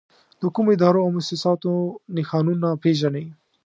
د کومو ادارو او مؤسساتو نښانونه پېژنئ؟